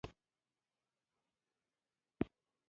ډيپلومات د استازیتوب اصولو ته ژمن وي.